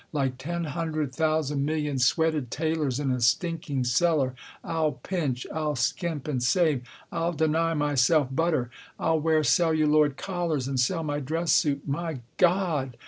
Like ten hundred thousand million sweated tailors in a stinking cellar. I'll pinch. I'll skimp and save. I'll deny myself butter. I'll wear celluloid collars and sell my dress suit. My God